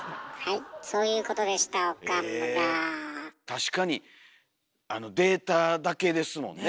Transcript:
確かにあのデータだけですもんね。